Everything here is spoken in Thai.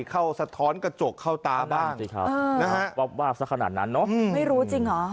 เข้าสะท้อนกระจกเข้าตาบ้างนะฮะนะฮะว่าสักขนาดนั้นเนอะไม่รู้จริงหรอ